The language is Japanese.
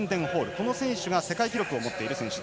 この選手が世界記録を持っている選手。